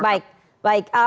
baik baik baik